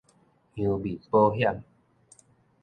洋面保險